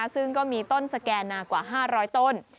ซึ่งก็มีต้นสแก่นากว่า๕๐๐ต้น